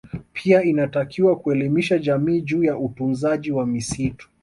Pia inatakiwa kuelimisha jamii juu ya utunzaji wa misitu